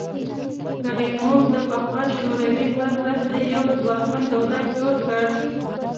کریموف د پخوا شوروي په مرسته یو ځواکمن دولت جوړ کړ.